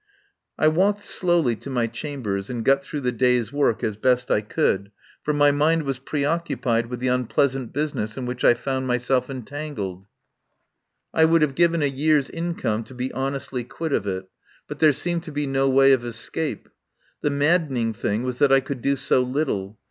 I walked slowly to my chambers and got through the day's work as best I could, for my mind was preoccupied with the unpleasant business in which I found myself entangled. 105 THE POWER HOUSE I would have given a year's income to be hon estly quit of it, but there seemed to be no way of escape. The maddening thing was that I could do so little.